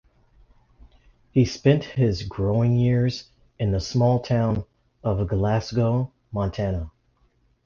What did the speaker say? He spent his growing years in the small town of Glasgow, Montana.